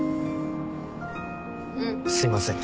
すいません。